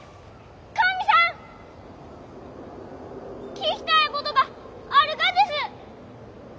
聞きたいことがあるがです！